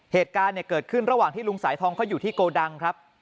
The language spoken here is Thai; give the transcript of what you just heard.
เหตุการณ์เนี่ยเกิดขึ้นระหว่างที่ลุงสายทองเขาอยู่ที่โกดังครับ